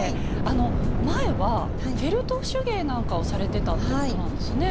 前はフェルト手芸なんかをされてたってことなんですね。